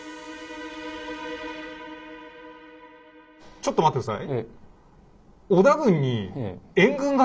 ちょっと待って下さい。